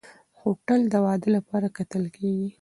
هوټل د واده لپاره کتل کېږي.